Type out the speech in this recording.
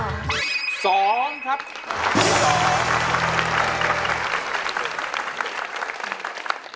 ผู้หญิงก็เลือกนั่นเองครับอันนี้ถึงครับ